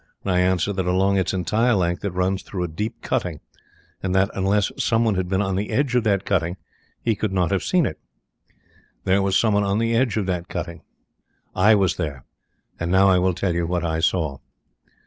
I answer that along its entire length it runs through a deep cutting, and that, unless someone had been on the edge of that cutting, he could not have seen it. There WAS someone on the edge of that cutting. I was there. And now I will tell you what I saw.